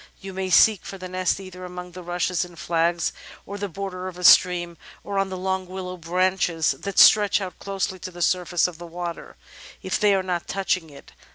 You may seek for the nest either among the rushes and flags at the border of a stream or on the long willow branches that stretch out close to the surface of the water, if they are not touching it.